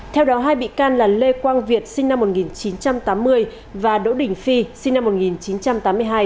theo đó hai bị can là lê quang việt sinh năm một nghìn chín trăm tám mươi và đỗ đình phi sinh năm một nghìn chín trăm tám mươi hai